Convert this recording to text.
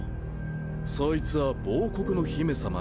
そいつは亡国の姫さま